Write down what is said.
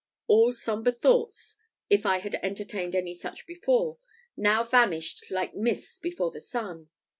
All sombre thoughts, if I had entertained any such before, now vanished like mists before the sun.